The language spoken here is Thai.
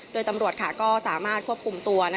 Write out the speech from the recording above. โดยตำรวจก็สามารถควบคุมตัว